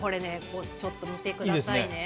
ちょっと見てみてください。